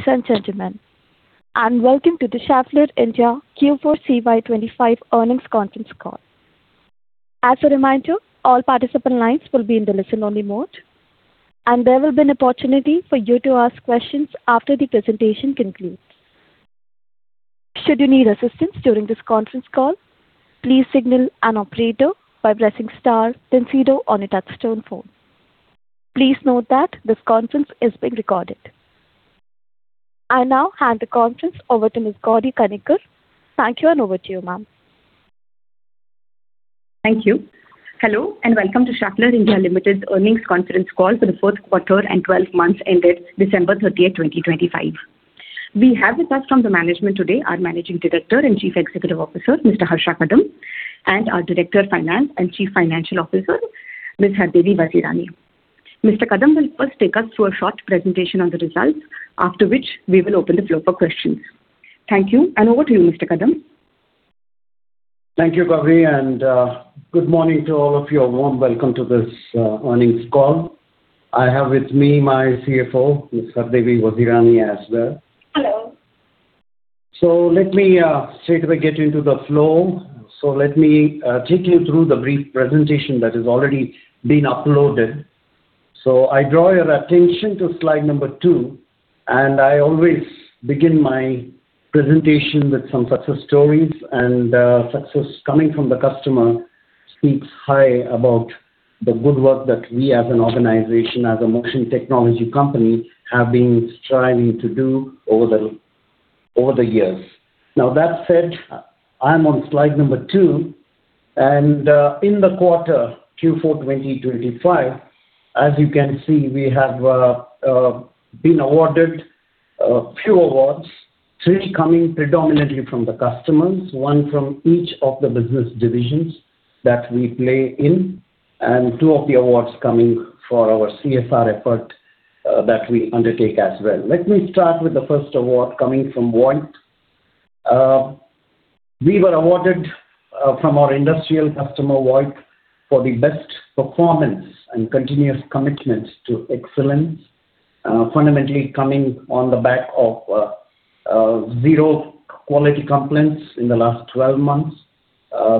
Ladies and gentlemen, welcome to the Schaeffler India Q4 CY 2025 Earnings Conference Call. As a reminder, all participant lines will be in the listen-only mode, there will be an opportunity for you to ask questions after the presentation concludes. Should you need assistance during this conference call, please signal an operator by pressing star zero on your touchtone phone. Please note that this conference is being recorded. I now hand the conference over to Ms. Gauri Kanitkar. Thank you, and over to you, ma'am. Thank you. Welcome to Schaeffler India Limited's Earnings Conference Call for the Fourth Quarter and 12 months ended December 30th, 2025. We have with us from the management today, our Managing Director and Chief Executive Officer, Mr. Harsha Kadam, and our Director of Finance and Chief Financial Officer, Ms. Hardevi Vazirani. Mr. Kadam will first take us through a short presentation on the results, after which we will open the floor for questions. Thank you. Over to you, Mr. Kadam. Thank you, Gauri. Good morning to all of you. A warm welcome to this earnings call. I have with me my CFO, Ms. Hardevi Vazirani, as well. Hello. Let me straightaway get into the flow. Let me take you through the brief presentation that has already been uploaded. I draw your attention to Slide 2, and I always begin my presentation with some success stories, and success coming from the customer speaks high about the good work that we as an organization, as a motion technology company, have been striving to do over the years. Now, that said, I am on Slide 2, and in the quarter Q4, 2025, as you can see, we have been awarded few awards. Three coming predominantly from the customers, one from each of the business divisions that we play in, and two of the awards coming for our CSR effort that we undertake as well. Let me start with the first award coming from Voith. We were awarded from our industrial customer, Voith, for the best performance and continuous commitment to excellence. Fundamentally coming on the back of zero quality complaints in the last 12 months.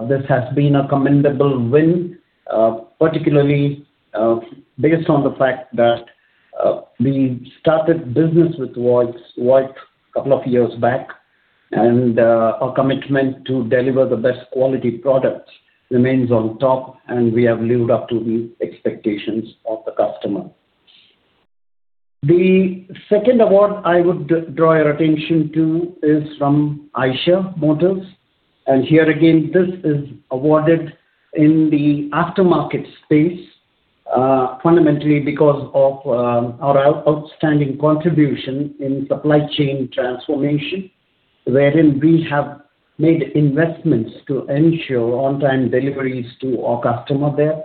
This has been a commendable win, particularly based on the fact that we started business with Voith a couple of years back, and our commitment to deliver the best quality products remains on top, and we have lived up to the expectations of the customer. The second award I would draw your attention to is from Eicher Motors. Here again, this is awarded in the aftermarket space, fundamentally because of our outstanding contribution in supply chain transformation, wherein we have made investments to ensure on-time deliveries to our customer there.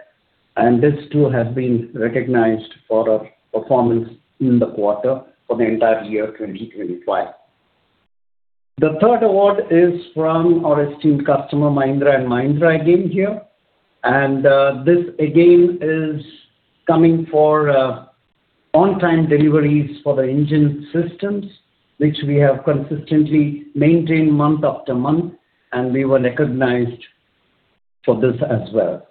This too has been recognized for our performance in the quarter for the entire year, 2025. The third award is from our esteemed customer, Mahindra & Mahindra, again here. This again is coming for on-time deliveries for the engine systems, which we have consistently maintained month after month. We were recognized for this as well.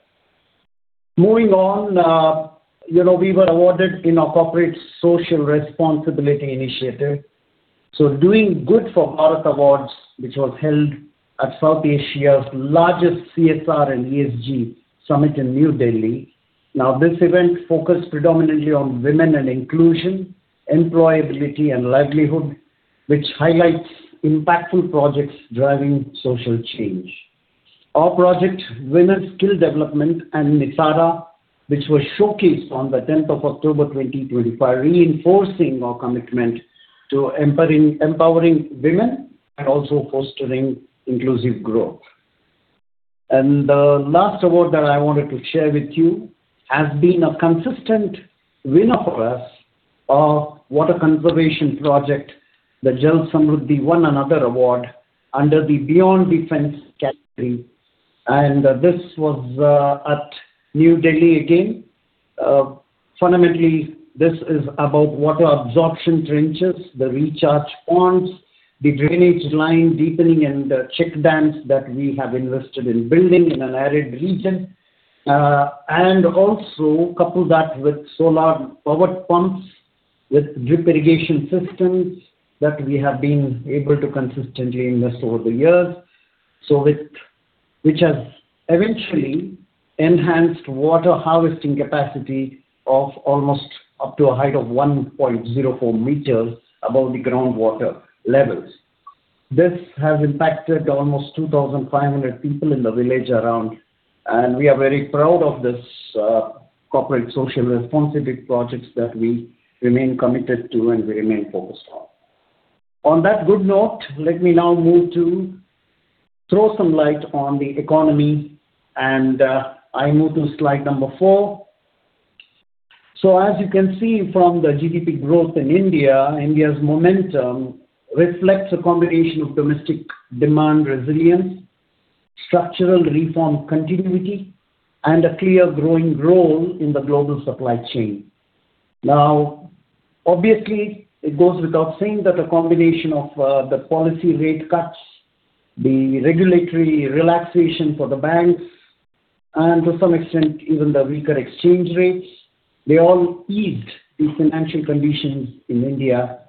Moving on, you know, we were awarded in our corporate social responsibility initiative. Doing Good for Bharat Awards, which was held at South Asia's largest CSR and ESG summit in New Delhi. Now, this event focused predominantly on women and inclusion, employability and livelihood, which highlights impactful projects driving social change. Our project, Women's Skill Development and Nisarg, which was showcased on the 10th of October, 2025, reinforcing our commitment to empowering women and also fostering inclusive growth. The last award that I wanted to share with you, has been a consistent winner for us, our water conservation project, the Jal Samruddhi, won another award under the Beyond the Fence category, and this was at New Delhi again. Fundamentally, this is about water absorption trenches, the recharge ponds, the drainage line deepening, and the check dams that we have invested in building in an arid region. Also couple that with solar powered pumps, with drip irrigation systems, that we have been able to consistently invest over the years. Which has eventually enhanced water harvesting capacity of almost up to a height of 1.04 meters above the groundwater levels. This has impacted almost 2,500 people in the village around, and we are very proud of this corporate social responsibility projects that we remain committed to and we remain focused on. On that good note, let me now move to throw some light on the economy, and I move to Slide 4. As you can see from the GDP growth in India's momentum reflects a combination of domestic demand resilience, structural reform continuity, and a clear growing role in the global supply chain. Now, obviously, it goes without saying that a combination of the policy rate cuts, the regulatory relaxation for the banks, and to some extent, even the weaker exchange rates, they all eased the financial conditions in India.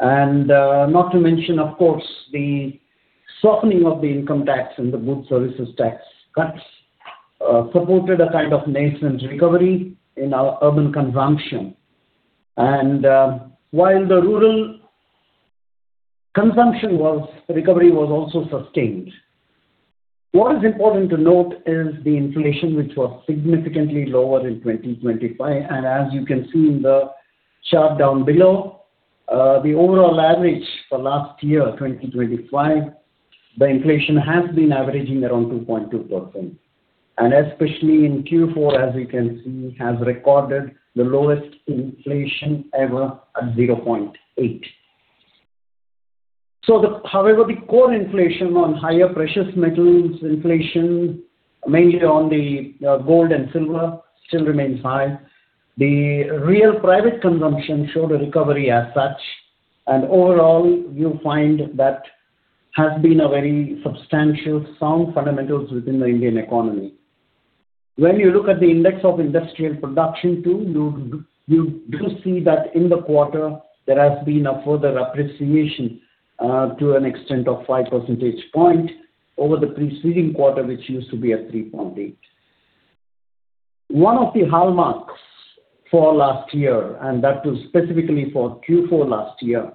Not to mention, of course, the softening of the income tax and the Goods and Services Tax cuts supported a kind of nascent recovery in our urban consumption. While the rural consumption recovery was also sustained. What is important to note is the inflation, which was significantly lower in 2025, and as you can see in the chart down below, the overall average for last year, 2025, the inflation has been averaging around 2.2%. Especially in Q4, as you can see, has recorded the lowest inflation ever at 0.8. However, the core inflation on higher precious metals inflation, mainly on gold and silver, still remains high. The real private consumption showed a recovery as such, and overall, you find that has been a very substantial sound fundamentals within the Indian economy. When you look at the index of industrial production too, you do see that in the quarter, there has been a further appreciation to an extent of 5 percentage point over the preceding quarter, which used to be at 3.8. One of the hallmarks for last year, and that was specifically for Q4 last year,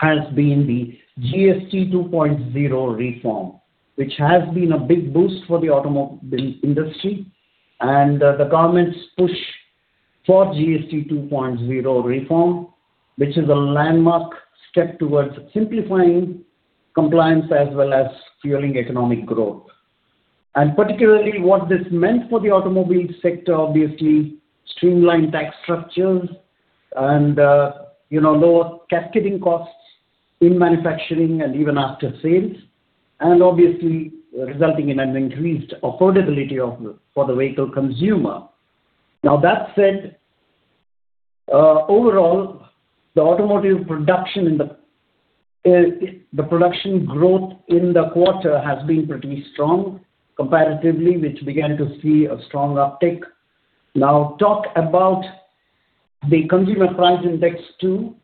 has been the GST 2.0 reform, which has been a big boost for the industry. The government's push for GST 2.0 reform, which is a landmark step towards simplifying compliance as well as fueling economic growth. Particularly, what this meant for the automobile sector, obviously, streamlined tax structures, you know, lower cascading costs in manufacturing and even after sales, and obviously, resulting in an increased affordability of, for the vehicle consumer. That said, overall, the automotive production in the production growth in the quarter has been pretty strong comparatively, which began to see a strong uptick. Talk about the consumer price index too.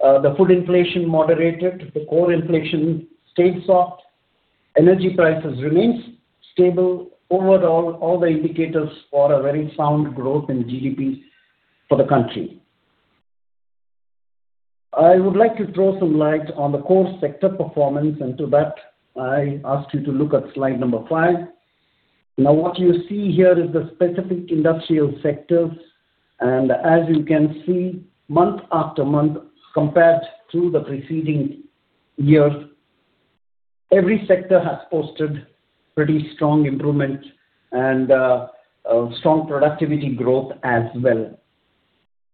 The food inflation moderated, the core inflation stayed soft, energy prices remains stable. Overall, all the indicators for a very sound growth in GDP for the country. I would like to throw some light on the core sector performance, and to that, I ask you to look at Slide 5. Now, what you see here is the specific industrial sectors, and as you can see, month after month, compared to the preceding years, every sector has posted pretty strong improvement and strong productivity growth as well.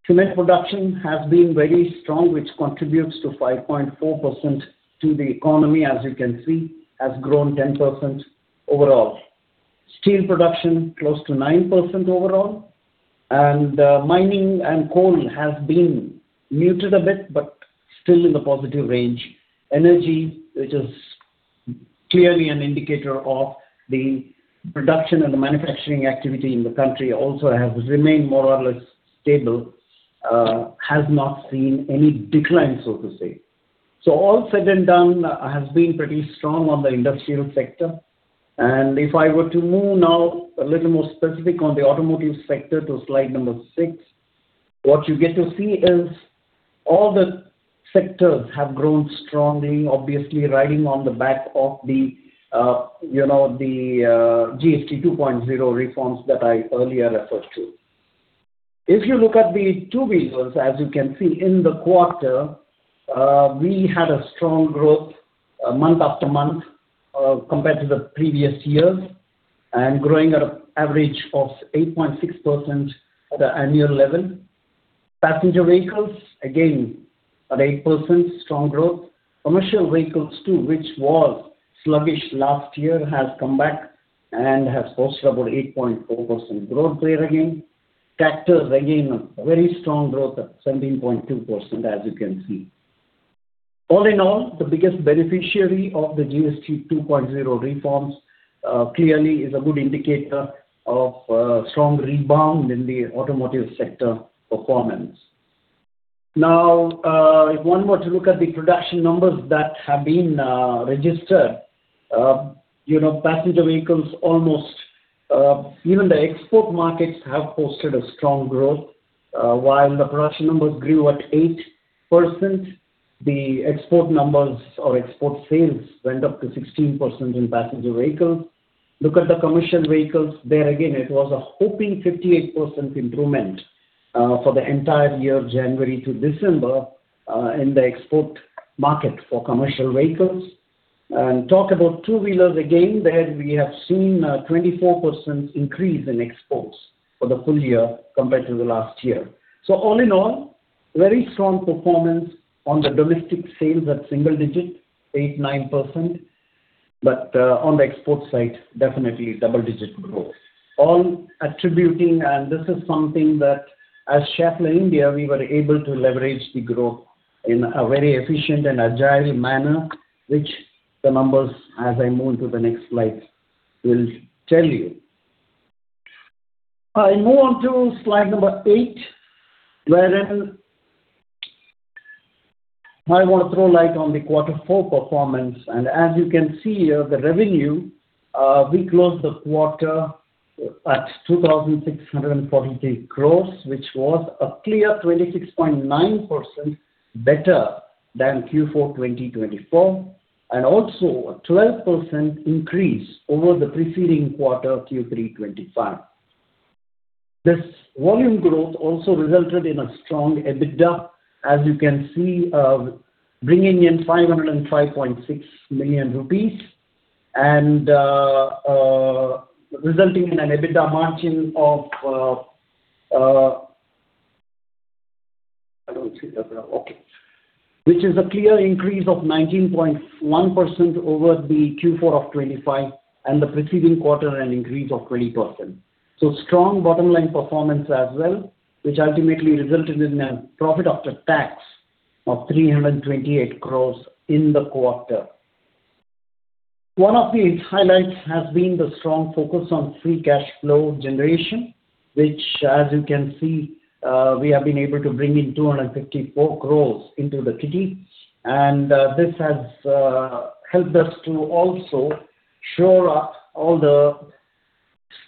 Cement production has been very strong, which contributes to 5.4% to the economy, as you can see, has grown 10% overall. Steel production, close to 9% overall. Mining and coal has been muted a bit, but still in the positive range. Energy, which is clearly an indicator of the production and the manufacturing activity in the country, also has remained more or less stable, has not seen any decline, so to say. All said and done, has been pretty strong on the industrial sector. If I were to move now a little more specific on the automotive sector to slide number 6, what you get to see is all the sectors have grown strongly, obviously, riding on the back of the, you know, the GST 2.0 reforms that I earlier referred to. If you look at the two-wheelers, as you can see in the quarter, we had a strong growth month after month, compared to the previous years, and growing at a average of 8.6% at the annual level. Passenger vehicles, again, at 8%, strong growth. Commercial vehicles, too, which was sluggish last year, has come back and has posted about 8.4% growth there again. Tractors, again, a very strong growth at 17.2%, as you can see. All in all, the biggest beneficiary of the GST 2.0 reforms, clearly is a good indicator of strong rebound in the automotive sector performance. If one were to look at the production numbers that have been registered, you know, passenger vehicles, almost, even the export markets have posted a strong growth. While the production numbers grew at 8%, the export numbers or export sales went up to 16% in passenger vehicles. Look at the commercial vehicles. There again, it was a hoping 58% improvement for the entire year, January to December, in the export market for commercial vehicles. Talk about two-wheelers again, there we have seen a 24% increase in exports for the full year compared to the last year. All in all. Very strong performance on the domestic sales at single digit, 8%, 9%, on the export side, definitely double-digit growth. All attributing, this is something that as Schaeffler India, we were able to leverage the growth in a very efficient and agile manner, which the numbers, as I move to the next slide, will tell you. I move on to Slide 8, wherein I want to throw light on the quarter four performance. As you can see here, the revenue, we closed the quarter at 2,643 crores, which was a clear 26.9% better than Q4 2024, and also a 12% increase over the preceding quarter, Q3 2025. This volume growth also resulted in a strong EBITDA, as you can see, bringing in 505.6 million rupees, and resulting in an EBITDA margin of... I don't see that now. Okay. Which is a clear increase of 19.1% over the Q4 of 2025, and the preceding quarter, an increase of 20%. Strong bottom line performance as well, which ultimately resulted in a profit after tax of 328 crores in the quarter. One of the highlights has been the strong focus on free cash flow generation, which, as you can see, we have been able to bring in 254 crores into the kitty, and this has helped us to also shore up all the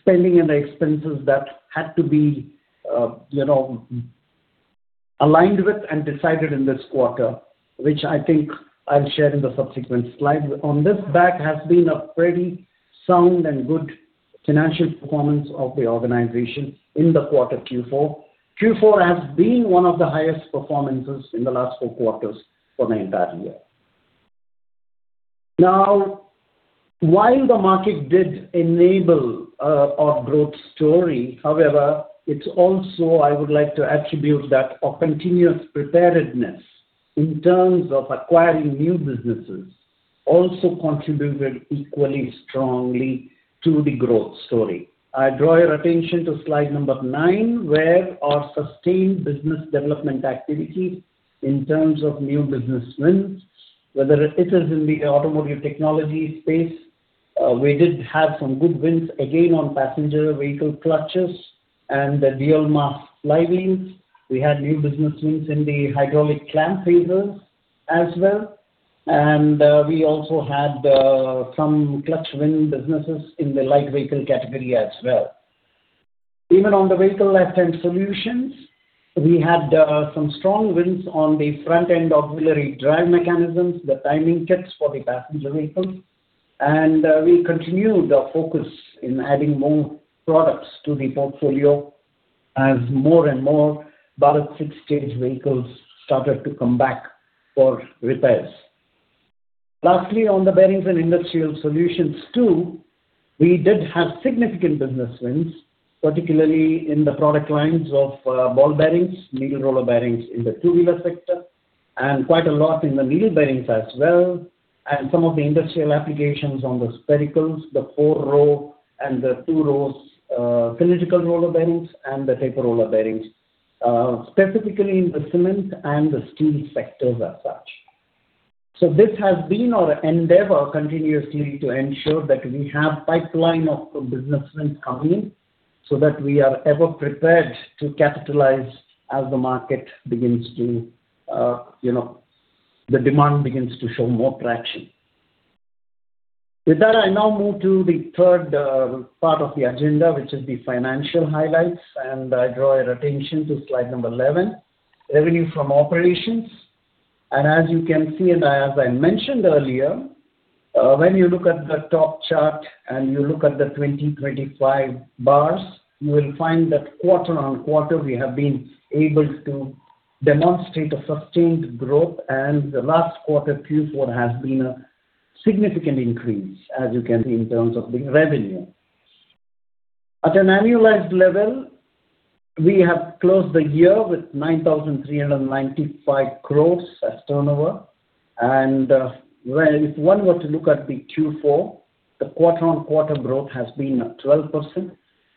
spending and the expenses that had to be, you know, aligned with and decided in this quarter, which I think I'll share in the subsequent slide. On this back has been a pretty sound and good financial performance of the organization in the quarter Q4. Q4 has been one of the highest performances in the last four quarters for the entire year. While the market did enable our growth story, however, it's also I would like to attribute that a continuous preparedness in terms of acquiring new businesses also contributed equally strongly to the growth story. I draw your attention to Slide 9, where our sustained business development activity in terms of new business wins, whether it is in the automotive technology space, we did have some good wins again on passenger vehicle clutches and the dual mass flywheels. We had new business wins in the hydraulic camshaft phasers as well, and we also had some clutch win businesses in the light vehicle category as well. Even on the vehicle lifetime solutions, we had some strong wins on the Front End Auxiliary Drive mechanisms, the timing kits for the passenger vehicles. We continued our focus in adding more products to the portfolio as more and more Bharat Stage vehicles started to come back for repairs. Lastly, on the bearings and industrial solutions, too, we did have significant business wins, particularly in the product lines of ball bearings, needle roller bearings in the two-wheeler sector, and quite a lot in the needle bearings as well, and some of the industrial applications on the sphericals, the four row and the two rows, cylindrical roller bearings and the tapered roller bearings, specifically in the cement and the steel sectors as such. This has been our endeavor continuously to ensure that we have pipeline of business wins coming, so that we are ever prepared to capitalize as the market begins to, you know, the demand begins to show more traction. With that, I now move to the third part of the agenda, which is the financial highlights, and I draw your attention to Slide 11, revenue from operations. As you can see, and as I mentioned earlier, when you look at the top chart and you look at the 2025 bars, you will find that quarter-on-quarter, we have been able to demonstrate a sustained growth, and the last quarter, Q4, has been a significant increase, as you can see, in terms of the revenue. At an annualized level, we have closed the year with 9,395 crores as turnover. Well, if one were to look at the Q4, the quarter-on-quarter growth has been 12%,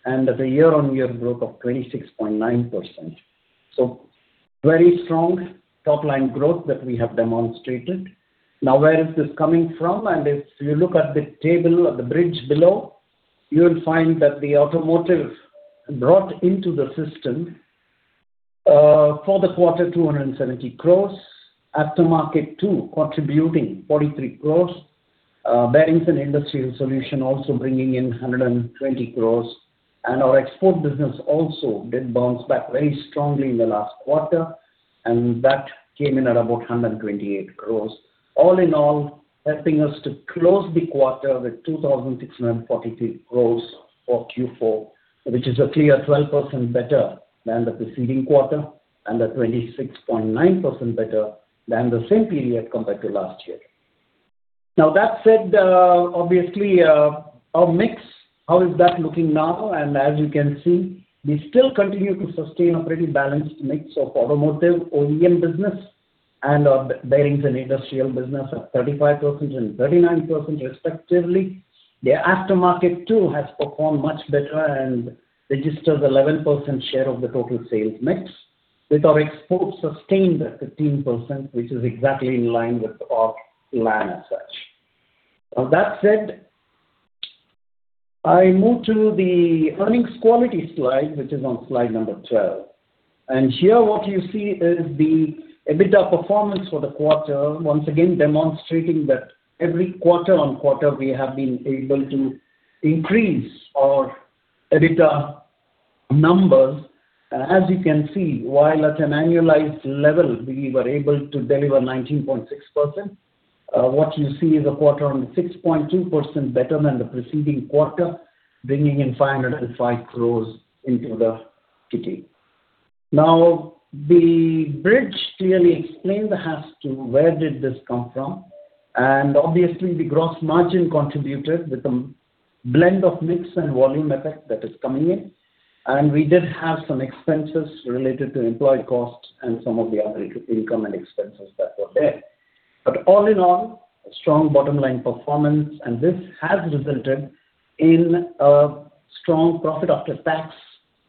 and the year-on-year growth of 26.9%. Very strong top-line growth that we have demonstrated. Where is this coming from? If you look at the table, at the bridge below, you will find that the automotive brought into the system for the quarter, 270 crores, aftermarket, too, contributing 43 crores, bearings and industrial solution also bringing in 120 crores. Our export business also did bounce back very strongly in the last quarter, and that came in at about 128 crores. All in all, helping us to close the quarter with 2,643 crores for Q4, which is a clear 12% better than the preceding quarter and a 26.9% better than the same period compared to last year. That said, obviously, our mix, how is that looking now? As you can see, we still continue to sustain a pretty balanced mix of automotive OEM business and our bearings and industrial business at 35% and 39% respectively. The aftermarket, too, has performed much better and registered 11% share of the total sales mix, with our exports sustained at 15%, which is exactly in line with our plan as such. That said, I move to the earnings quality slide, which is on Slide 12. Here what you see is the EBITDA performance for the quarter, once again demonstrating that every quarter-on-quarter, we have been able to increase our EBITDA numbers. As you can see, while at an annualized level, we were able to deliver 19.6%, what you see is a quarter on 6.2% better than the preceding quarter, bringing in 505 crores into the kitty. The bridge clearly explains as to where did this come from, and obviously, the gross margin contributed with the blend of mix and volume effect that is coming in. We did have some expenses related to employee costs and some of the other income and expenses that were there. All in all, a strong bottom line performance, and this has resulted in a strong profit after tax,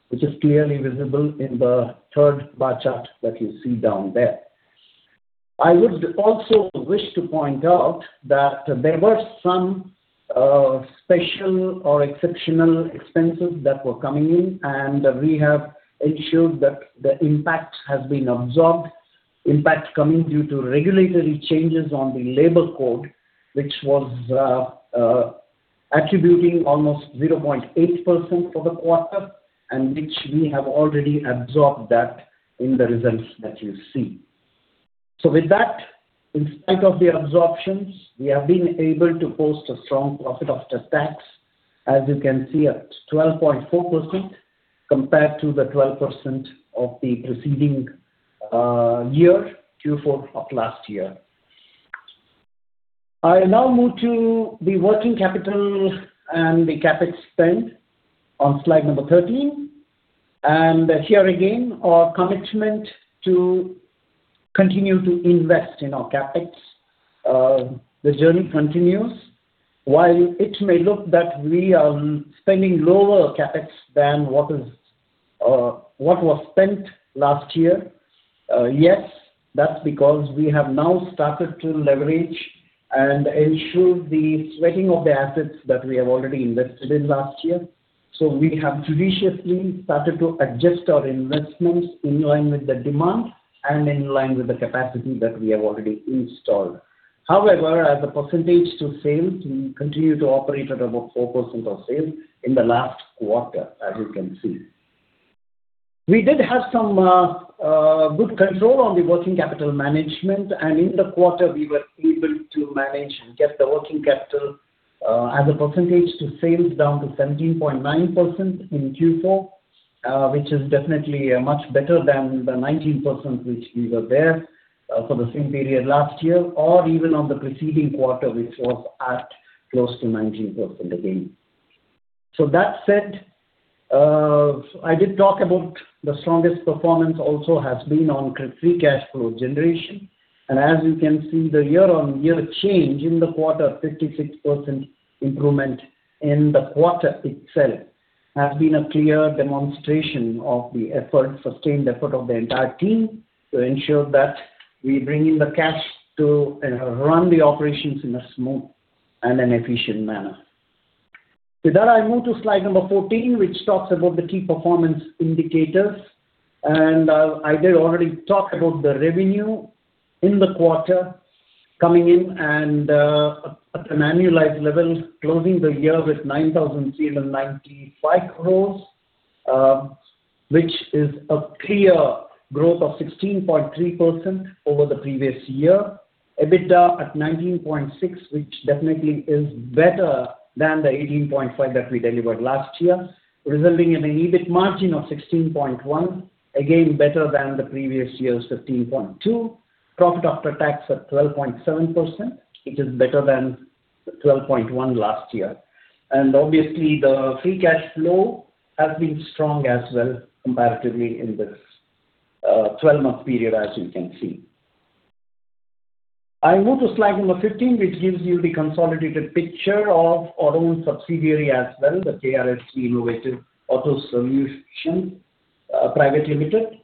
which is clearly visible in the third bar chart that you see down there. I would also wish to point out that there were some special or exceptional expenses that were coming in, and we have ensured that the impact has been absorbed. Impact coming due to regulatory changes on the labor code, which was attributing almost 0.8% for the quarter, and which we have already absorbed that in the results that you see. With that, in spite of the absorptions, we have been able to post a strong profit after tax, as you can see, at 12.4%, compared to the 12% of the preceding year, Q4 of last year. I now move to the working capital and the CapEx spend on Slide 13. Here again, our commitment to continue to invest in our CapEx, the journey continues. While it may look that we are spending lower CapEx than what is, what was spent last year, yes, that's because we have now started to leverage and ensure the sweating of the assets that we have already invested in last year. We have judiciously started to adjust our investments in line with the demand and in line with the capacity that we have already installed. As a percentage to sales, we continue to operate at about 4% of sales in the last quarter, as you can see. We did have some good control on the working capital management, and in the quarter, we were able to manage and get the working capital as a percentage to sales down to 17.9% in Q4, which is definitely much better than the 19%, which we were there for the same period last year, or even on the preceding quarter, which was at close to 19% again. That said, I did talk about the strongest performance also has been on free cash flow generation, and as you can see, the year-on-year change in the quarter, 56% improvement in the quarter itself, has been a clear demonstration of the effort, sustained effort of the entire team to ensure that we bring in the cash to run the operations in a smooth and an efficient manner. With that, I move to Slide 14, which talks about the key performance indicators. I did already talk about the revenue in the quarter coming in and at an annualized level, closing the year with 9,395 crore, which is a clear growth of 16.3% over the previous year. EBITDA at 19.6%, which definitely is better than the 18.5% that we delivered last year, resulting in an EBIT margin of 16.1%, again, better than the previous year's 15.2%. Profit after tax at 12.7%, which is better than the 12.1% last year. Obviously, the free cash flow has been strong as well, comparatively in this 12-month period, as you can see. I move to Slide 15, which gives you the consolidated picture of our own subsidiary as well, the KRSV Innovative Auto Solutions Private Limited.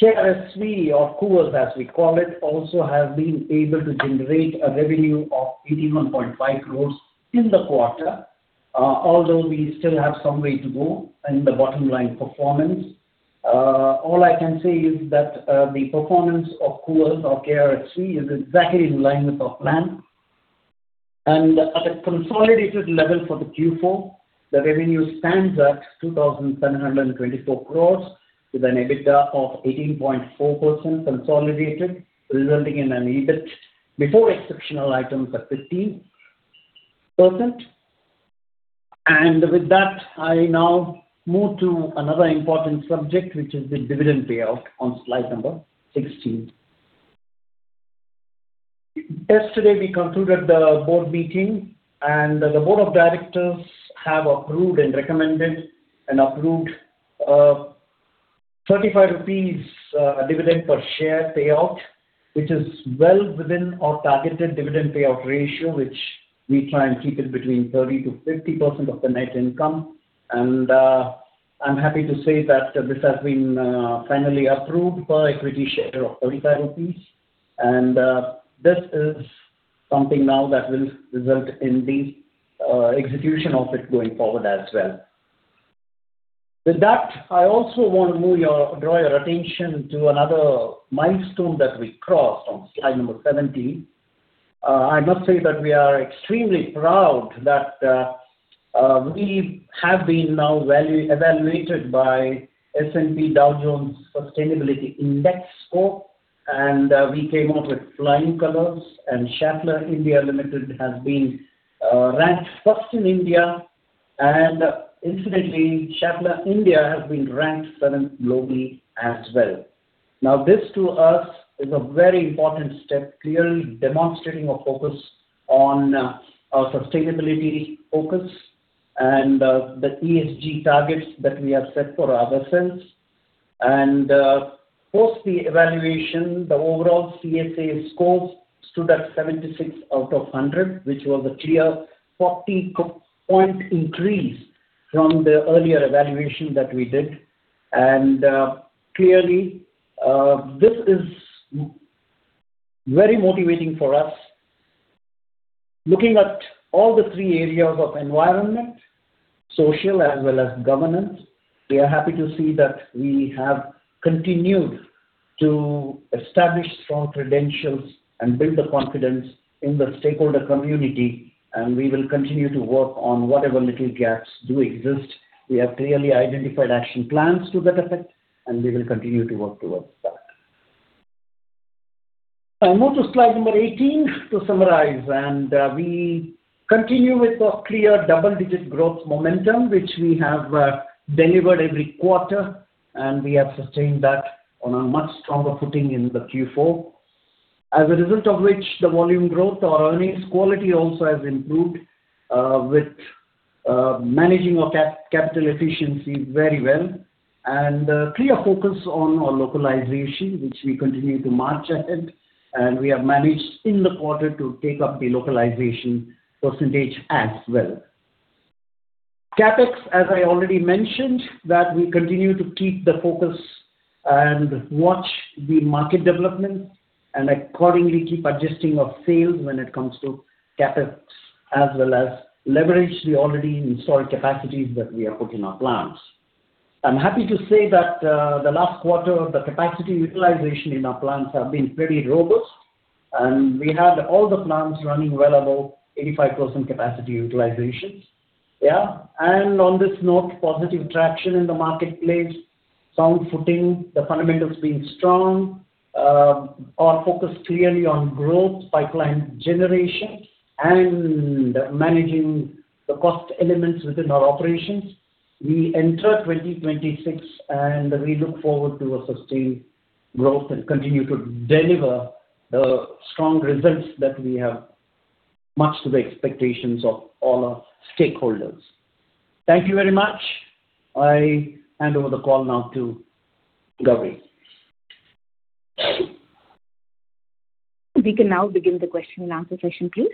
KRSV, or Koovers, as we call it, also have been able to generate a revenue of 81.5 crores in the quarter. Although we still have some way to go in the bottom line performance, all I can say is that the performance of Koovers or KRSV is exactly in line with our plan. At a consolidated level for the Q4, the revenue stands at 2,724 crores, with an EBITDA of 18.4% consolidated, resulting in an EBIT before exceptional items at 15%. With that, I now move to another important subject, which is the dividend payout on Slide 16. Yesterday, we concluded the board meeting. The board of directors have approved and recommended and approved 35 rupees dividend per share payout, which is well within our targeted dividend payout ratio, which we try and keep it between 30%-50% of the net income. I'm happy to say that this has been finally approved per equity share of 35 rupees. This is something now that will result in the execution of it going forward as well. With that, I also want to draw your attention to another milestone that we crossed on slide number 17. I must say that we are extremely proud that we have been now evaluated by S&P Dow Jones Sustainability Index Score, and we came out with flying colors, and Schaeffler India Limited has been ranked first in India. Incidentally, Schaeffler India has been ranked seventh globally as well. This, to us, is a very important step, clearly demonstrating our focus on our sustainability focus and the ESG targets that we have set for ourselves. Post the evaluation, the overall CSA score stood at 76 out of 100, which was a clear 40 point increase from the earlier evaluation that we did. Clearly, this is very motivating for us. Looking at all the three areas of environment, social, as well as governance, we are happy to see that we have continued to establish strong credentials and build the confidence in the stakeholder community, and we will continue to work on whatever little gaps do exist. We have clearly identified action plans to that effect, and we will continue to work towards that. I move to Slide 18 to summarize. We continue with our clear double-digit growth momentum, which we have delivered every quarter, and we have sustained that on a much stronger footing in the Q4. As a result of which, the volume growth, our earnings quality also has improved with managing our capital efficiency very well. Clear focus on our localization, which we continue to march ahead, and we have managed in the quarter to take up the localization percentage as well. CapEx, as I already mentioned, that we continue to keep the focus and watch the market development and accordingly keep adjusting our sales when it comes to CapEx, as well as leverage the already installed capacities that we have put in our plants. I'm happy to say that the last quarter, the capacity utilization in our plants have been pretty robust, and we had all the plants running well above 85% capacity utilizations. On this note, positive traction in the marketplace, sound footing, the fundamentals being strong, our focus clearly on growth, pipeline generation, and managing the cost elements within our operations. We enter 2026, we look forward to a sustained growth and continue to deliver the strong results that we have, much to the expectations of all our stakeholders. Thank you very much. I hand over the call now to Gauri Kanitkar. We can now begin the question and answer session, please.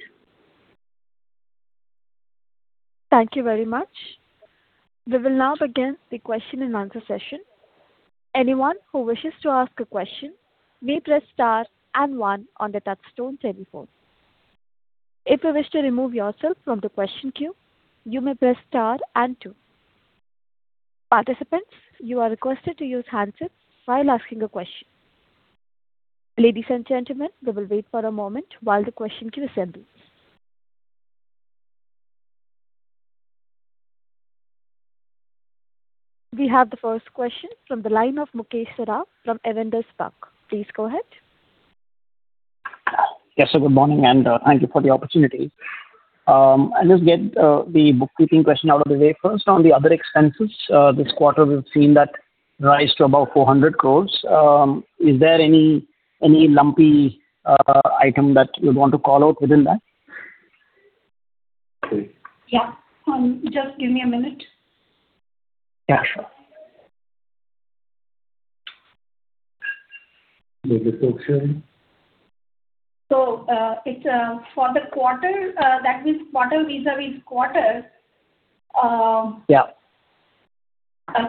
Thank you very much. We will now begin the question and answer session. Anyone who wishes to ask a question may press star and one on the touchtone telephone. If you wish to remove yourself from the question queue, you may press star and two. Participants, you are requested to use handsets while asking a question. Ladies and gentlemen, we will wait for a moment while the question queue assembles. We have the first question from the line of Mukesh Saraf from Avendus Spark. Please go ahead. Yes, sir, good morning, and thank you for the opportunity. I'll just get the bookkeeping question out of the way first. On the other expenses, this quarter, we've seen that rise to about 400 crore. Is there any lumpy item that you'd want to call out within that? Okay. Yeah. Just give me a minute. Yeah, sure. The description? It's for the quarter, that means quarter vis-a-vis quarter. Yeah.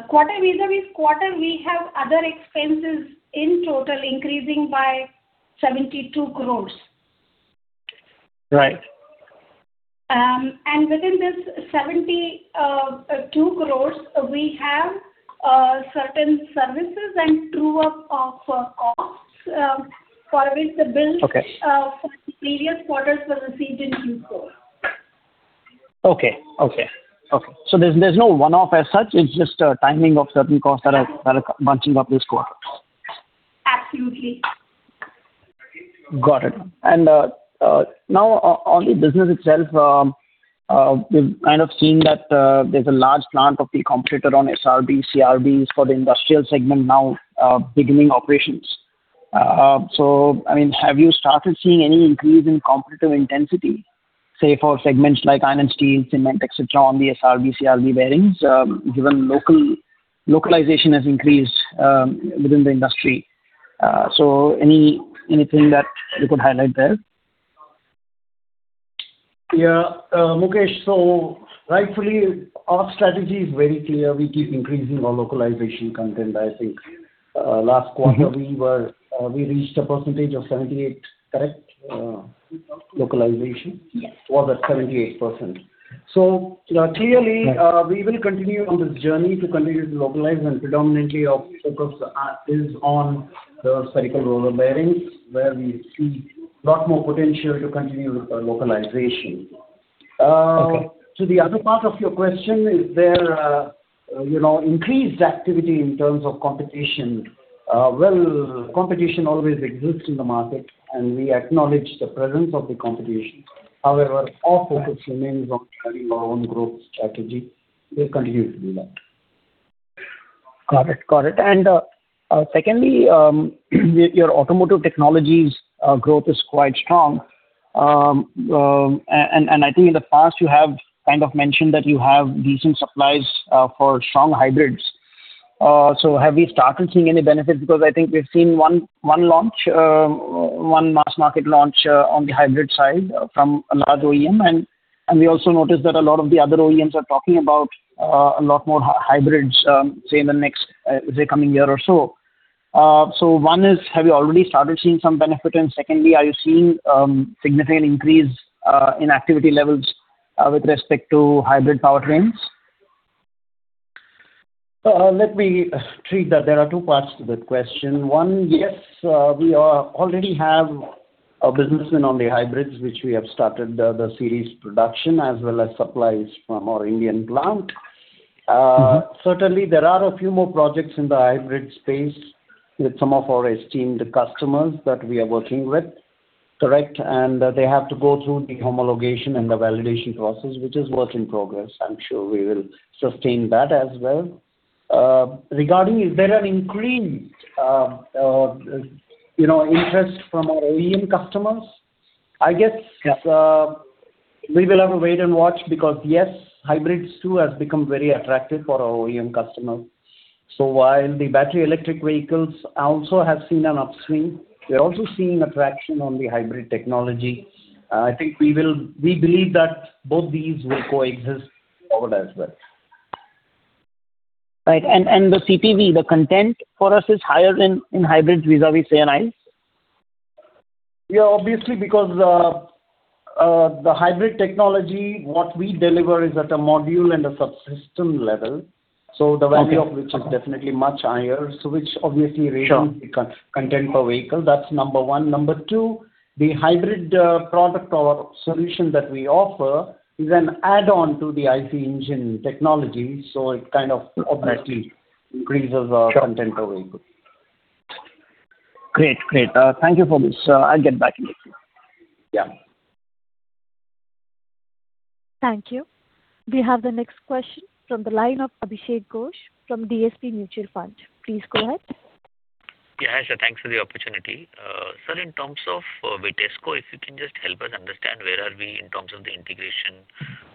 Quarter vis-a-vis quarter, we have other expenses in total increasing by 72 crores. Right. Within this 72 crores, we have certain services and true up of costs. Okay. For the previous quarters were received in Q4. Okay. Okay. Okay. There's no one-off as such, it's just a timing of certain costs that are bunching up this quarter? Absolutely. Got it. Now on the business itself, we've kind of seen that there's a large plant of the competitor on SRB, CRBs for the industrial segment now beginning operations. I mean, have you started seeing any increase in competitive intensity, say, for segments like iron and steel, cement, et cetera, on the SRB, CRB bearings, given localization has increased within the industry? Anything that you could highlight there? Yeah, Mukesh, rightfully, our strategy is very clear. We keep increasing our localization content. I think, last quarter. Mm-hmm. We reached 78%. Correct? Localization. Yes. It was at 78%. clearly- Right... we will continue on this journey to continue to localize. Predominantly our focus is on the spherical roller bearings, where we see a lot more potential to continue with localization. Okay. To the other part of your question, is there, you know, increased activity in terms of competition? Well, competition always exists in the market. We acknowledge the presence of the competition. However, our focus remains on carrying our own growth strategy. We'll continue to do that. Got it. Got it. Secondly, your automotive technologies growth is quite strong. I think in the past you have kind of mentioned that you have decent supplies for strong hybrids. Have you started seeing any benefits? Because I think we've seen one launch, one mass market launch on the hybrid side from a large OEM, and we also noticed that a lot of the other OEMs are talking about a lot more hybrids, say, in the next, say, coming year or so. One is, have you already started seeing some benefit? Secondly, are you seeing significant increase in activity levels with respect to hybrid powertrains? Let me treat that. There are two parts to that question. One, yes, we are, already have a business in on the hybrids, which we have started the series production as well as supplies from our Indian plant. Mm-hmm. Certainly there are a few more projects in the hybrid space with some of our esteemed customers that we are working with. Correct. They have to go through the homologation and the validation process, which is work in progress. I'm sure we will sustain that as well. Regarding, is there an increased, you know, interest from our OEM customers? Yes we will have to wait and watch, because, yes, hybrids, too, has become very attractive for our OEM customers. While the battery electric vehicles also have seen an upswing, we are also seeing attraction on the hybrid technology. I think we believe that both these will coexist forward as well. Right. The CPV, the content for us is higher in hybrids vis-a-vis ICEs? Yeah, obviously, because the hybrid technology, what we deliver is at a module and a subsystem level. Okay value of which is definitely much higher. Which obviously Sure content per vehicle. That's number 1. Number 2, the hybrid product or solution that we offer is an add-on to the IC engine technology, it kind of obviously increases. Sure our content per vehicle. Great. Thank you for this. I'll get back with you. Yeah. Thank you. We have the next question from the line of Abhishek Ghosh from DSP Mutual Fund. Please go ahead. Yeah, sure. Thanks for the opportunity. Sir, in terms of Vitesco, if you can just help us understand where are we in terms of the integration?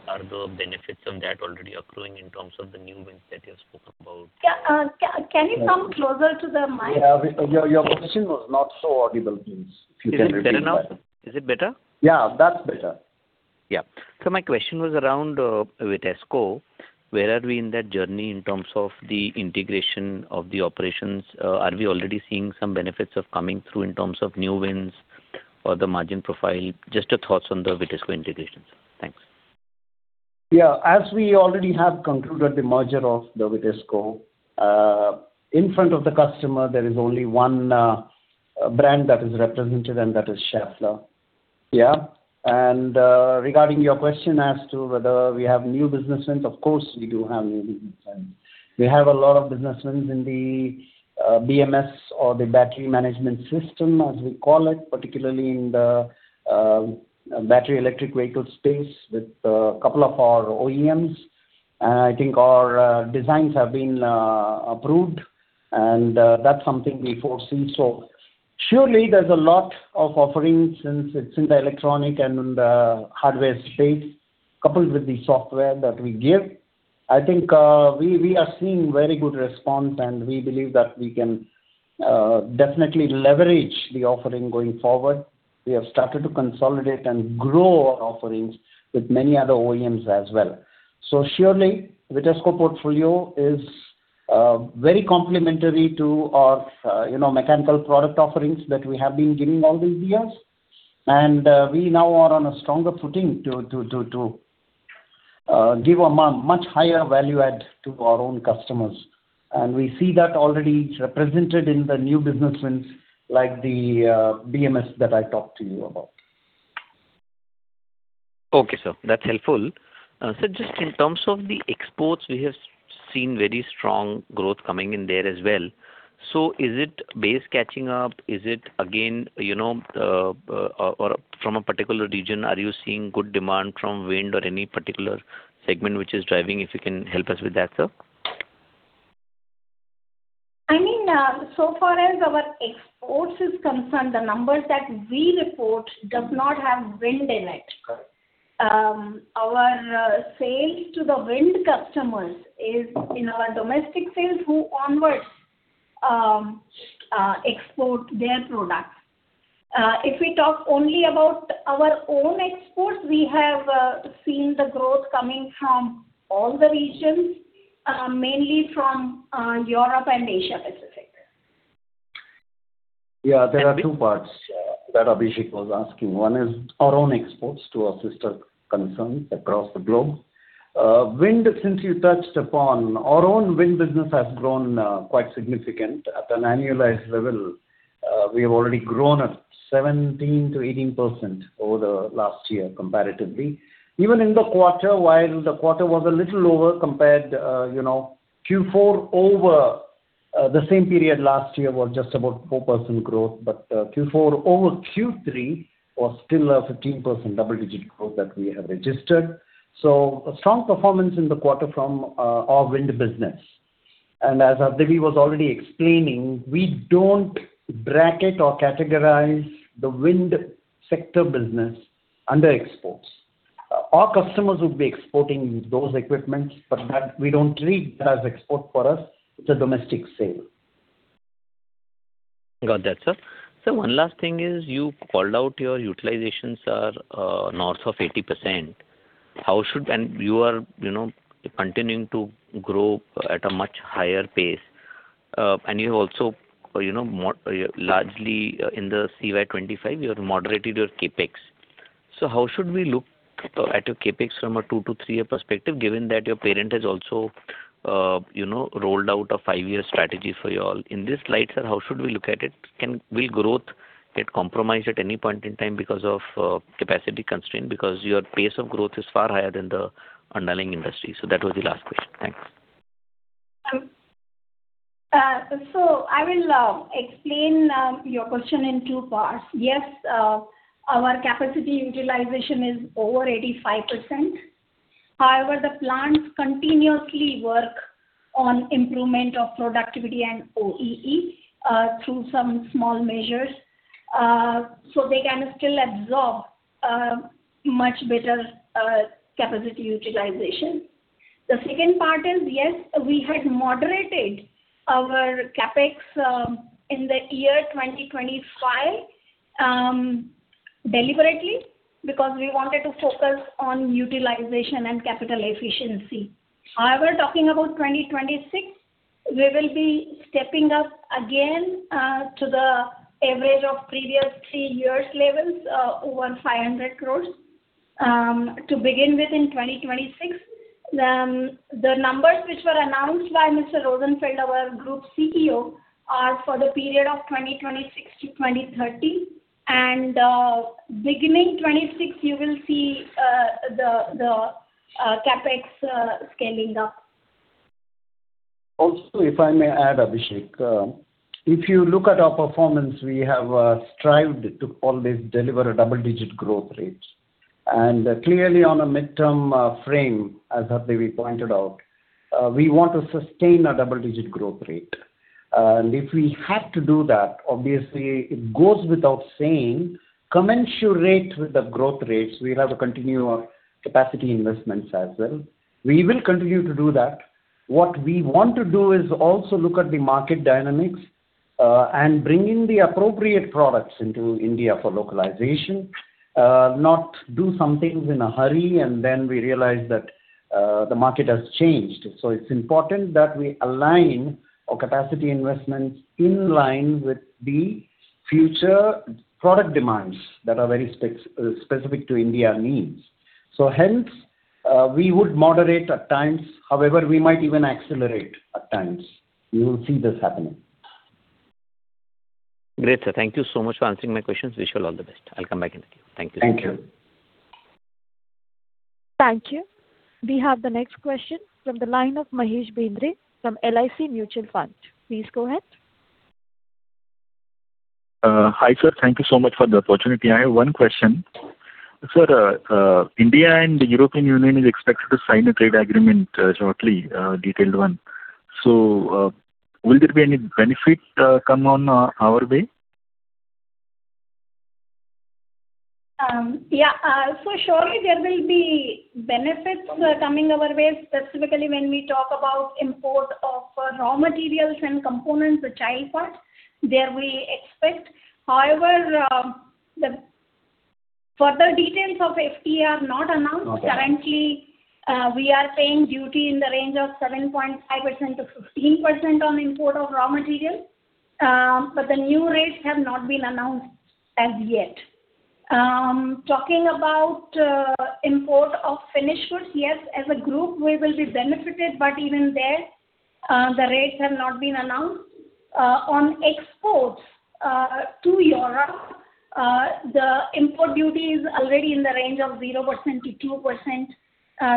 Are the benefits of that already accruing in terms of the new wins that you spoke about? Can you come closer to the mic? Yeah. Your position was not so audible. Please, if you can repeat that. Is it better now? Is it better? Yeah, that's better. Yeah. My question was around Vitesco. Where are we in that journey in terms of the integration of the operations? Are we already seeing some benefits of coming through in terms of new wins or the margin profile? Just your thoughts on the Vitesco integration. Thanks. As we already have concluded the merger of Vitesco in front of the customer, there is only one brand that is represented, and that is Schaeffler. Regarding your question as to whether we have new business wins, of course, we do have new business wins. We have a lot of business wins in the BMS or the Battery Management System, as we call it, particularly in the battery electric vehicle space with a couple of our OEMs. I think our designs have been approved, and that's something we foresee. Surely, there's a lot of offerings since it's in the electronic and in the hardware space, coupled with the software that we give. I think we are seeing very good response, and we believe that we can definitely leverage the offering going forward. We have started to consolidate and grow our offerings with many other OEMs as well. Surely, Vitesco portfolio is very complementary to our, you know, mechanical product offerings that we have been giving all these years. We now are on a stronger footing to give a much higher value add to our own customers. We see that already represented in the new business wins, like the BMS that I talked to you about. Okay, sir, that's helpful. Just in terms of the exports, we have seen very strong growth coming in there as well. Is it base catching up? Is it again, you know, or from a particular region, are you seeing good demand from wind or any particular segment which is driving, if you can help us with that, sir? I mean, so far as our exports is concerned, the numbers that we report does not have wind in it. Our sales to the wind customers is in our domestic sales, who onwards export their products. If we talk only about our own exports, we have seen the growth coming from all the regions, mainly from Europe and Asia Pacific. There are two parts that Abhishek was asking. One is our own exports to our sister concerns across the globe. Wind, since you touched upon, our own wind business has grown quite significant. At an annualized level, we have already grown at 17%-18% over the last year, comparatively. Even in the quarter, while the quarter was a little lower compared, you know, Q4 over the same period last year was just about 4% growth, Q4 over Q3 was still a 15% double-digit growth that we have registered. A strong performance in the quarter from our wind business. As Aditi was already explaining, we don't bracket or categorize the wind sector business under exports. Our customers would be exporting those equipments, that we don't treat as export for us, it's a domestic sale. Got that, sir. Sir, one last thing is, you called out your utilizations are north of 80%. You are, you know, continuing to grow at a much higher pace. You also, you know, largely in the CY 2025, you have moderated your CapEx. How should we look at your CapEx from a 2-3-year perspective, given that your parent has also, you know, rolled out a 5-year strategy for you all? In this light, sir, how should we look at it? Will growth get compromised at any point in time because of capacity constraint? Your pace of growth is far higher than the underlying industry. That was the last question. Thanks. I will explain your question in two parts. Yes, our capacity utilization is over 85%. The plants continuously work on improvement of productivity and OEE through some small measures, so they can still absorb much better capacity utilization. The second part is, yes, we had moderated our CapEx in the year 2025 deliberately, because we wanted to focus on utilization and capital efficiency. Talking about 2026, we will be stepping up again to the average of previous three years levels, over 500 crores to begin with, in 2026. The numbers which were announced by Mr. Rosenfeld, our group CEO, are for the period of 2026 to 2030, and beginning 2026, you will see the CapEx scaling up. Also, if I may add, Abhishek, if you look at our performance, we have strived to always deliver a double-digit growth rate. Clearly on a midterm frame, as Aditi pointed out, we want to sustain a double-digit growth rate. If we have to do that, obviously, it goes without saying, commensurate with the growth rates, we'll have to continue our capacity investments as well. We will continue to do that. What we want to do is also look at the market dynamics and bringing the appropriate products into India for localization, not do some things in a hurry, and then we realize that the market has changed. It's important that we align our capacity investments in line with the future product demands that are very spec specific to India needs. Hence, we would moderate at times, however, we might even accelerate at times. You will see this happening. Great, sir. Thank you so much for answering my questions. Wish you all the best. I'll come back and thank you. Thank you. Thank you. Thank you. We have the next question from the line of Mahesh Bendre from LIC Mutual Fund. Please go ahead. Hi, sir. Thank you so much for the opportunity. I have one question. Sir, India and the European Union is expected to sign a trade agreement shortly, detailed one. Will there be any benefit come on our way? Yeah, surely there will be benefits coming our way, specifically when we talk about import of raw materials and components or child parts, there we expect. However, the further details of FTA are not announced. Okay. Currently, we are paying duty in the range of 7.5%-15% on import of raw material, but the new rates have not been announced as yet. Talking about import of finished goods, yes, as a group, we will be benefited, but even the rates have not been announced. On exports to Europe, the import duty is already in the range of 0%-2%,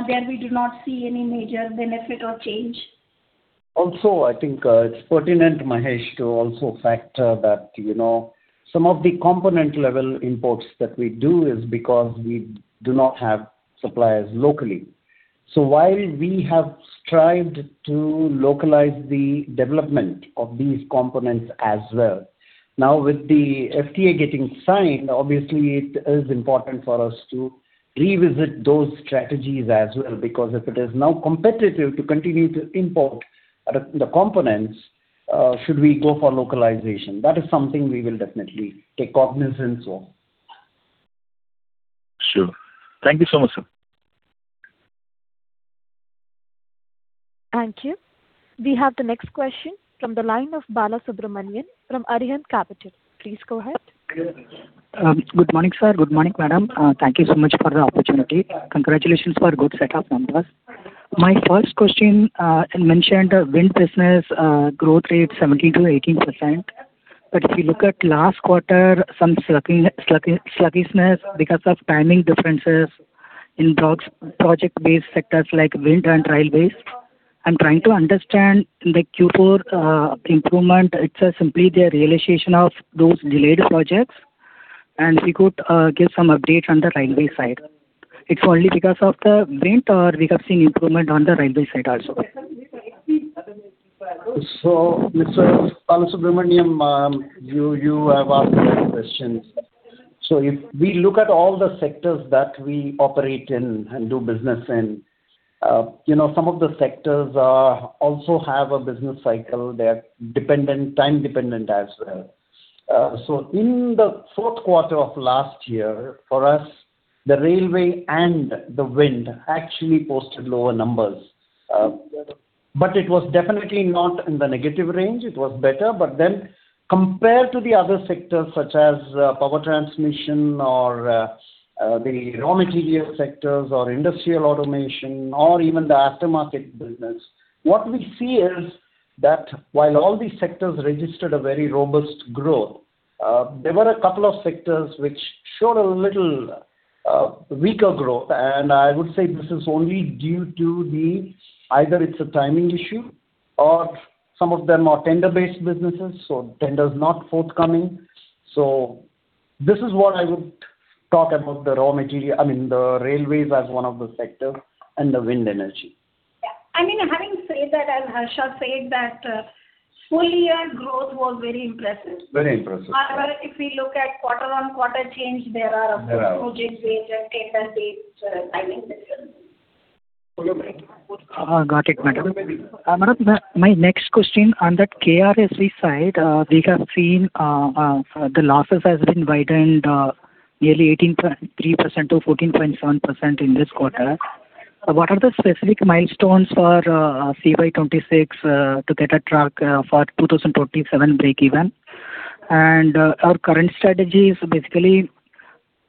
there we do not see any major benefit or change. I think it's pertinent, Mahesh, to also factor that, you know, some of the component level imports that we do is because we do not have suppliers locally. While we have strived to localize the development of these components as well, now with the FTA getting signed, obviously it is important for us to revisit those strategies as well. If it is now competitive to continue to import the components, should we go for localization? That is something we will definitely take cognizance of. Sure. Thank you so much, sir. Thank you. We have the next question from the line of Bala Subramanian from Arihant Capital. Please go ahead. Good morning, sir. Good morning, madam. Thank you so much for the opportunity. Congratulations for good set of numbers. My first question, you mentioned the wind business growth rate 70%-80%, but if you look at last quarter, some sluggishness because of timing differences in project-based sectors like wind and railways. I'm trying to understand the Q4 improvement. It's simply the realization of those delayed projects, and we could give some updates on the railway side. It's only because of the wind, or we have seen improvement on the railway side also? Mr. Bala Subramaniam, you have asked many questions. If we look at all the sectors that we operate in and do business in, you know, some of the sectors also have a business cycle. They are dependent, time dependent as well. In the fourth quarter of last year, for us, the railway and the wind actually posted lower numbers. It was definitely not in the negative range, it was better. Compared to the other sectors, such as power transmission or the raw material sectors or industrial automation or even the aftermarket business, what we see is that while all these sectors registered a very robust growth, there were a couple of sectors which showed a little weaker growth. I would say this is only due to the, either it's a timing issue or some of them are tender-based businesses, so tender's not forthcoming. This is what I would talk about the raw material, I mean, the railways as one of the sector and the wind energy. Yeah. I mean, having said that, as Harsha said, that, full year growth was very impressive. Very impressive. If we look at quarter-on-quarter change. There are. Project-based and tender-based, timing issues. Got it, madam. Madam, my next question on that KRSV side, we have seen the losses has been widened, nearly 18.3% to 14.7% in this quarter. What are the specific milestones for FY 2026 to get on track for 2027 break even? Our current strategy is basically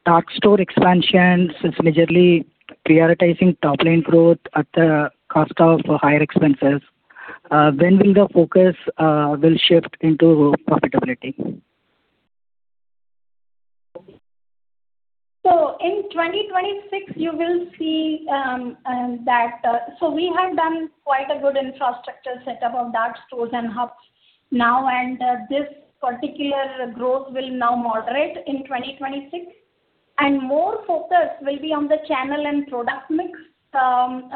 dark store expansion, since majorly prioritizing top-line growth at the cost of higher expenses. When will the focus will shift into profitability? In 2026, you will see that we have done quite a good infrastructure setup of dark stores and hubs now, and this particular growth will now moderate in 2026. More focus will be on the channel and product mix from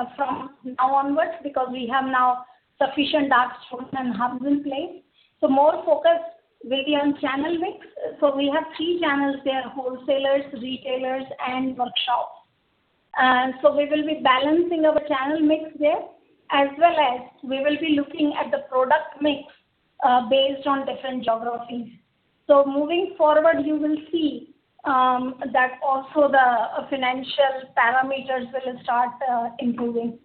now onwards, because we have now sufficient dark stores and hubs in place. More focus will be on channel mix. We have three channels there: wholesalers, retailers, and workshops. We will be balancing our channel mix there, as well as we will be looking at the product mix based on different geographies. Moving forward, you will see that also the financial parameters will start improving.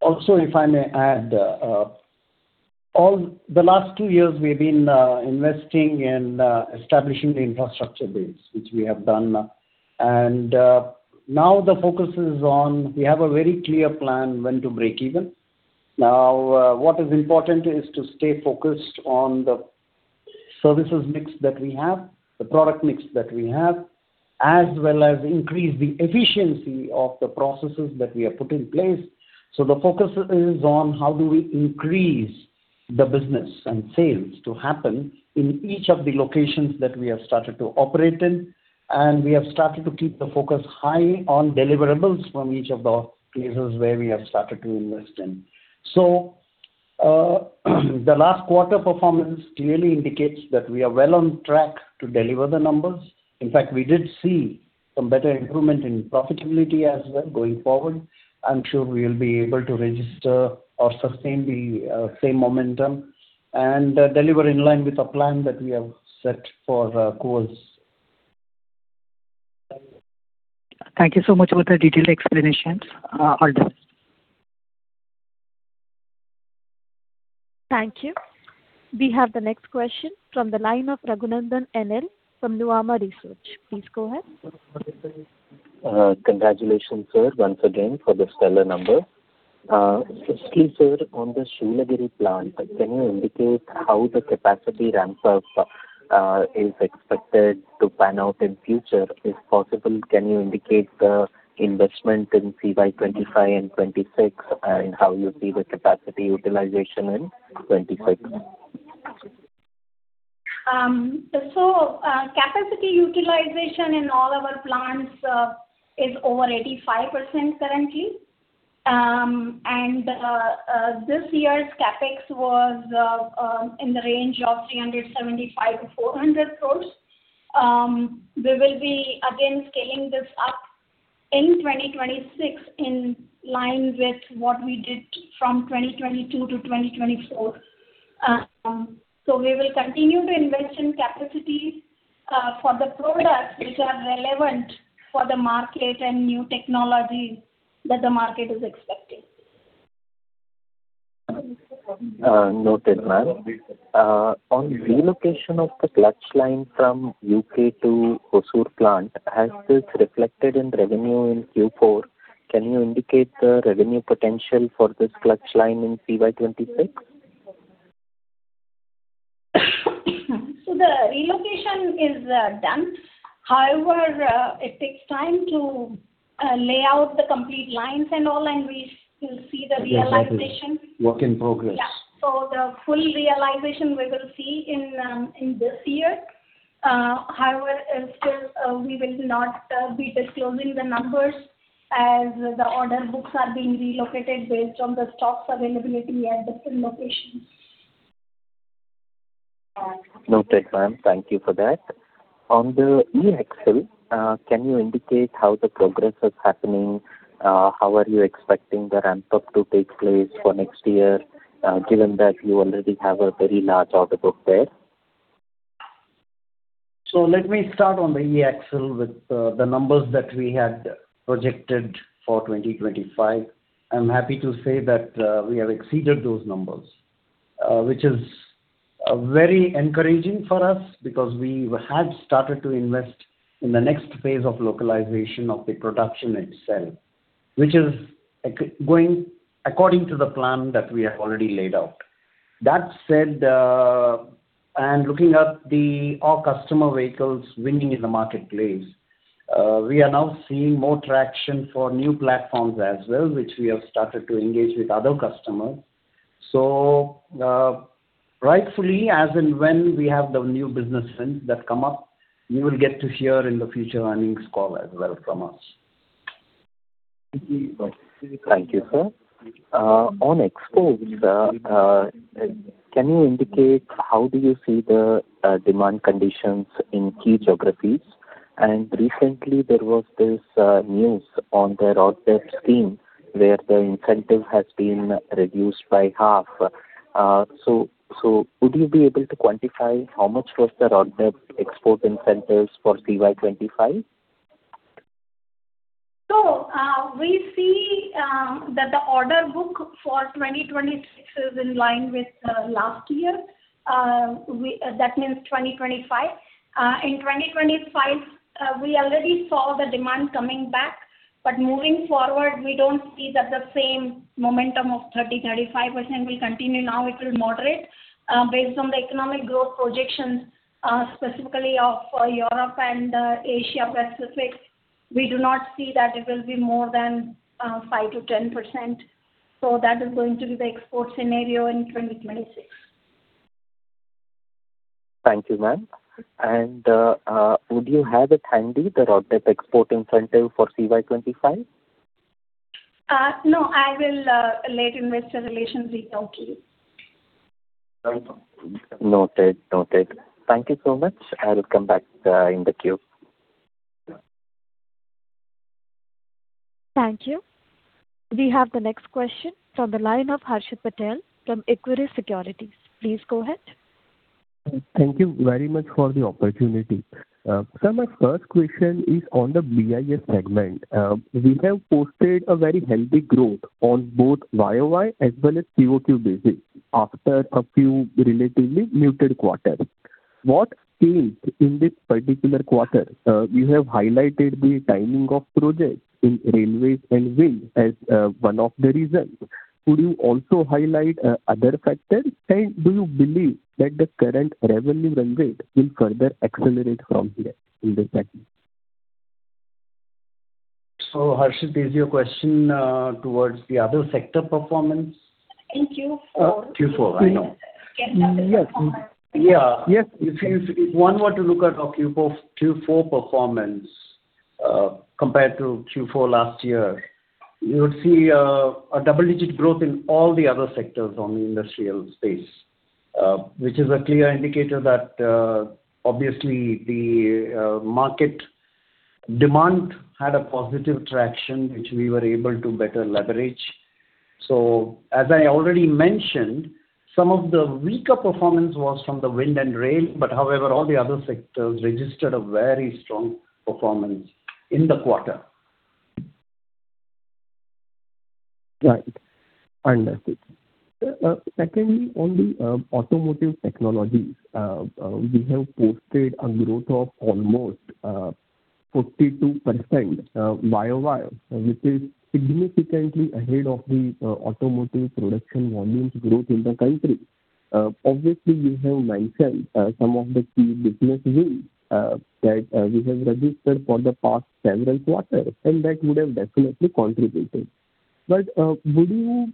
Also, if I may add, all the last two years, we've been investing in establishing the infrastructure base, which we have done. Now the focus is on. We have a very clear plan when to break even. What is important is to stay focused on the services mix that we have, the product mix that we have, as well as increase the efficiency of the processes that we have put in place. The focus is on how do we increase the business and sales to happen in each of the locations that we have started to operate in, and we have started to keep the focus high on deliverables from each of the places where we have started to invest in. The last quarter performance clearly indicates that we are well on track to deliver the numbers. In fact, we did see some better improvement in profitability as well going forward. I'm sure we will be able to register or sustain the same momentum and deliver in line with the plan that we have set for quarters. Thank you so much for the detailed explanations, all done.... Thank you. We have the next question from the line of Raghunandhan N L from Nuvama Research. Please go ahead. Congratulations, sir, once again, for the stellar number. Firstly, sir, on the Shoolagiri plant, can you indicate how the capacity ramp up is expected to pan out in future? If possible, can you indicate the investment in CY 2025 and 2026, and how you see the capacity utilization in 2026? Capacity utilization in all our plants is over 85% currently. This year's CapEx was in the range of 375-400 crores. We will be again scaling this up in 2026, in line with what we did from 2022 to 2024. We will continue to invest in capacity for the products which are relevant for the market and new technology that the market is expecting. Noted, ma'am. On relocation of the clutch line from U.K. to Hosur plant, has this reflected in revenue in Q4? Can you indicate the revenue potential for this clutch line in CY 2026? The relocation is done. However, it takes time to lay out the complete lines and all, and we will see the realization. Yes, that is work in progress. Yeah. The full realization we will see in this year. Still, we will not be disclosing the numbers, as the order books are being relocated based on the stocks availability at different locations. Noted, ma'am. Thank you for that. On the e-axle, can you indicate how the progress is happening? How are you expecting the ramp-up to take place for next year, given that you already have a very large order book there? Let me start on the e-axle with the numbers that we had projected for 2025. I'm happy to say that we have exceeded those numbers, which is very encouraging for us, because we had started to invest in the next phase of localization of the production itself, which is going according to the plan that we have already laid out. That said, looking at the, our customer vehicles winning in the marketplace, we are now seeing more traction for new platforms as well, which we have started to engage with other customers. Rightfully, as and when we have the new business trends that come up, you will get to hear in the future earnings call as well from us. Thank you, sir. On exports, can you indicate how do you see the demand conditions in key geographies? Recently, there was this news on the RoDTEP scheme, where the incentive has been reduced by half. Would you be able to quantify how much was the RoDTEP export incentives for CY 2025? We see that the order book for 2026 is in line with last year. That means 2025. In 2025, we already saw the demand coming back, but moving forward, we don't see that the same momentum of 30%-35% will continue now, it will moderate. Based on the economic growth projections, specifically of Europe and Asia Pacific, we do not see that it will be more than 5%-10%. That is going to be the export scenario in 2026. Thank you, ma'am. Would you have it handy, the RoDTEP export incentive for CY 2025? no, I will let investor relations reach out to you. Noted. Noted. Thank you so much. I will come back in the queue. Thank you. We have the next question from the line of Harshit Patel from Equirus Securities. Please go ahead. Thank you very much for the opportunity. My first question is on the BIS segment. We have posted a very healthy growth on both year-over-year as well as quarter-over-quarter basis, after a few relatively muted quarters. What changed in this particular quarter? You have highlighted the timing of projects in railways and wind as one of the reasons. Could you also highlight other factors, and do you believe that the current revenue run rate will further accelerate from here in this segment? Harshit, is your question towards the other sector performance? In Q4. Q4, I know. Yes. Yeah. Yes. If you, if one were to look at our Q4 performance compared to Q4 last year, you would see a double-digit growth in all the other sectors on the industrial space, which is a clear indicator that obviously the market demand had a positive traction, which we were able to better leverage. As I already mentioned, some of the weaker performance was from the wind and rain, but however, all the other sectors registered a very strong performance in the quarter. Right. Understood. Secondly, on the automotive technologies, we have posted a growth of almost 42% YOY, which is significantly ahead of the automotive production volumes growth in the country. Obviously, you have mentioned some of the key business wins that we have registered for the past several quarters, and that would have definitely contributed. Would you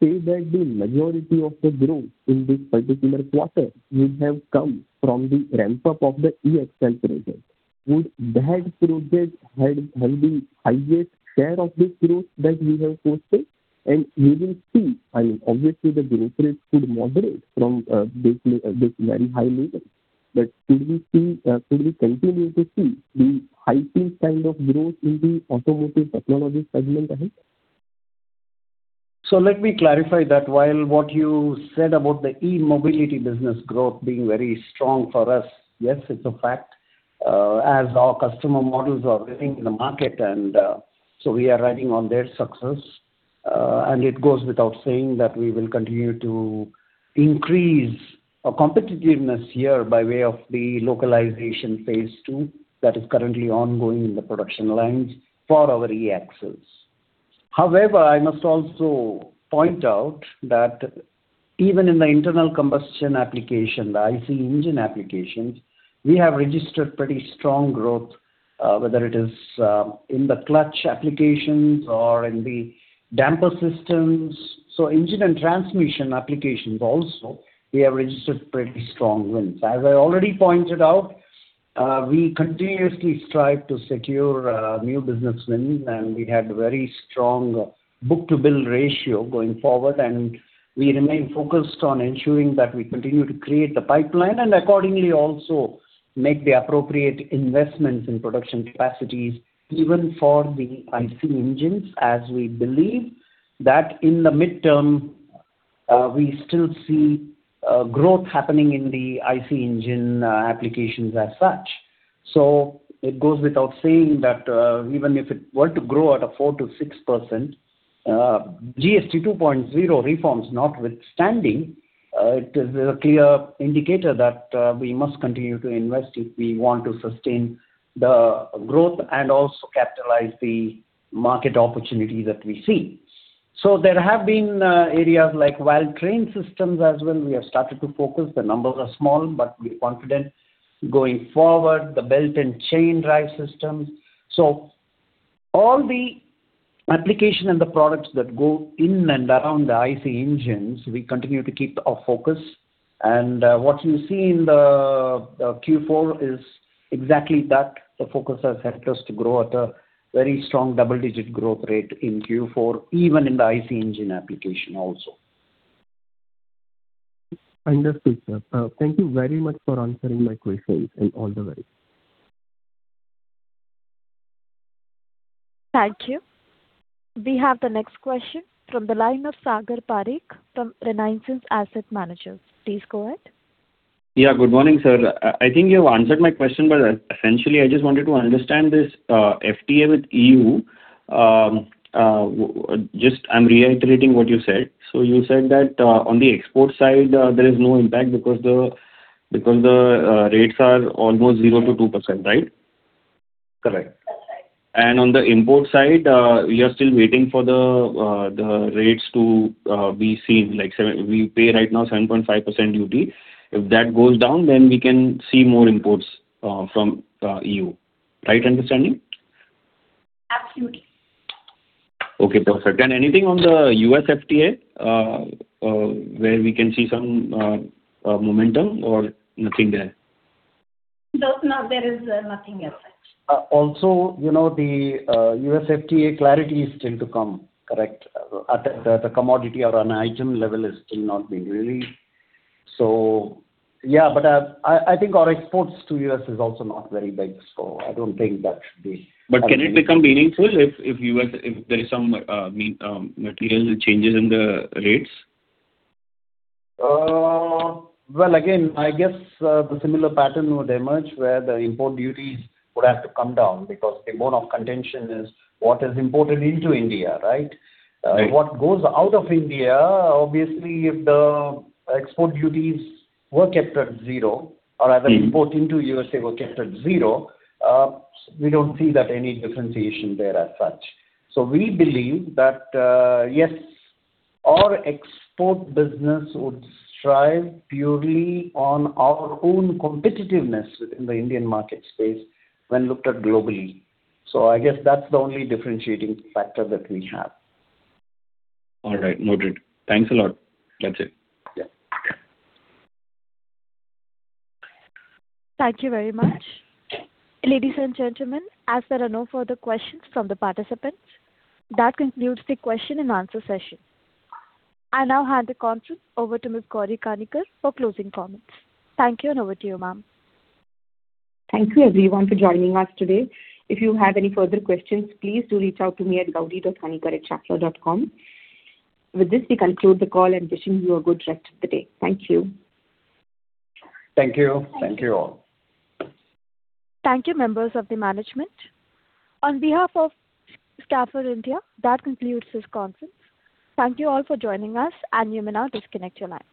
say that the majority of the growth in this particular quarter would have come from the ramp-up of the e-axle project? Would that project have the highest share of this growth that we have posted? Will we see, I mean, obviously, the growth rate could moderate from this very high level, but could we see, could we continue to see the hiking kind of growth in the automotive technology segment ahead? Let me clarify that. While what you said about the e-mobility business growth being very strong for us, yes, it's a fact, as our customer models are winning in the market, and so we are riding on their success. It goes without saying that we will continue to increase our competitiveness here by way of the localization phase two, that is currently ongoing in the production lines for our e-axles. I must also point out that even in the internal combustion application, the IC engine applications, we have registered pretty strong growth, whether it is in the clutch applications or in the damper systems. Engine and transmission applications also, we have registered pretty strong wins. I already pointed out, we continuously strive to secure new business wins, and we have a very strong book-to-bill ratio going forward. We remain focused on ensuring that we continue to create the pipeline, and accordingly also make the appropriate investments in production capacities, even for the IC engines, as we believe that in the midterm, we still see growth happening in the IC engine applications as such. It goes without saying that, even if it were to grow at a 4%-6%, GST 2.0 reforms notwithstanding, it is a clear indicator that we must continue to invest if we want to sustain the growth and also capitalize the market opportunity that we see. There have been areas like valve train systems as well, we have started to focus. The numbers are small, but we're confident going forward, the belt and chain drive systems. All the application and the products that go in and around the IC engines, we continue to keep our focus. What you see in the Q4 is exactly that. The focus has helped us to grow at a very strong double-digit growth rate in Q4, even in the IC engine application also. Understood, sir. Thank you very much for answering my questions, and all the best. Thank you. We have the next question from the line of Sagar Pareek from Renaissance Investment Managers. Please go ahead. Yeah, good morning, sir. I think you have answered my question, but, essentially, I just wanted to understand this FTA with EU. Just I'm reiterating what you said. You said that on the export side, there is no impact because the rates are almost 0%-2%, right? Correct. On the import side, we are still waiting for the rates to be seen. We pay right now 7.5% duty. If that goes down, we can see more imports from EU. Right understanding? Absolutely. Okay, perfect. anything on the U.S.FTA, where we can see some momentum or nothing there? Those now, there is nothing as such. Also, you know, the U.S. FTA clarity is still to come, correct? At the commodity or on item level is still not been released. Yeah, I think our exports to U.S. is also not very big, so I don't think that should be- Can it become meaningful if U.S., if there is some, mean, material changes in the rates? Again, I guess, the similar pattern would emerge, where the import duties would have to come down, because the bone of contention is what is imported into India, right? Right. What goes out of India, obviously, if the export duties were kept at zero, or rather import into USA were kept at zero, we don't see that any differentiation there as such. We believe that, yes, our export business would strive purely on our own competitiveness within the Indian market space when looked at globally. I guess that's the only differentiating factor that we have. All right, noted. Thanks a lot. That's it. Yeah. Thank you very much. Ladies and gentlemen, as there are no further questions from the participants, that concludes the question and answer session. I now hand the conference over to Ms. Gauri Kanitkar for closing comments. Thank you, and over to you, ma'am. Thank you, everyone, for joining us today. If you have any further questions, please do reach out to me at Gauri.Kanitkar@schaeffler.com. With this, we conclude the call and wishing you a good rest of the day. Thank you. Thank you. Thank you, all. Thank you, members of the management. On behalf of Schaeffler India, that concludes this conference. Thank you all for joining us. You may now disconnect your lines.